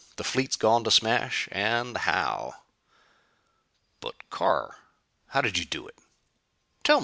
The fleet's gone to smash and how!" "But Carr. How did you do it? Tell me!"